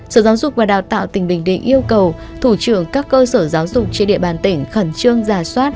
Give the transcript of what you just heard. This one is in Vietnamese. sở giáo dục và đào tạo tỉnh bình định yêu cầu thủ trưởng các cơ sở giáo dục trên địa bàn tỉnh khẩn trương giả soát